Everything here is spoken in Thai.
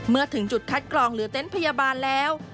เมื่อถึงจุดคัดกรองหรือเต็นต์พยาบาลแล้ว